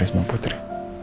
sama sama aldebaran afari